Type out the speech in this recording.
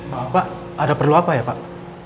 pak ada perlu apa ya pak